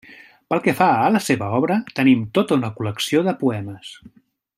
Pel que fa a la seva obra, tenim tota una col·lecció de poemes.